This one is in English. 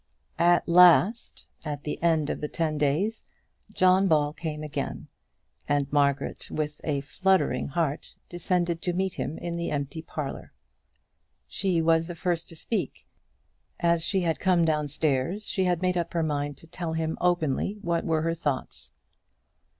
At last, at the end of the ten days, John Ball came again, and Margaret, with a fluttering heart, descended to meet him in the empty parlour. She was the first to speak. As she had come downstairs, she had made up her mind to tell him openly what were her thoughts.